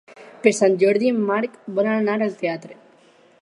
Per Sant Jordi en Marc vol anar al teatre.